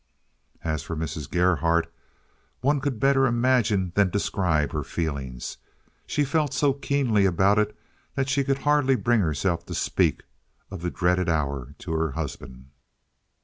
As for Mrs. Gerhardt, one could better imagine than describe her feelings. She felt so keenly about it that she could hardly bring herself to speak of the dreaded hour to her husband.